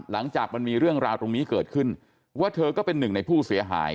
หลังจากมันมีเรื่องราวตรงนี้เกิดขึ้นว่าเธอก็เป็นหนึ่งในผู้เสียหาย